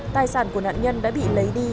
tài sản của nạn nhân đã bị lấy đi